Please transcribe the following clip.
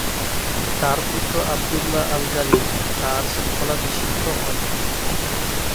তার পুত্র আবদুল্লাহ আল-গালিব তার স্থলাভিষিক্ত হন।